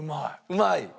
うまい？